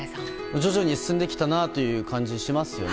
徐々に進んできたなという感じがしますよね。